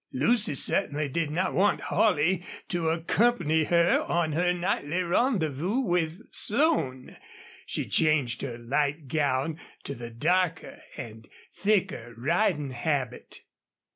Lucy certainly did not want Holley to accompany her on her nightly rendezvous with Slone. She changed her light gown to the darker and thicker riding habit.